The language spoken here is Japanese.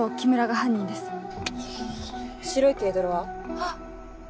あっ。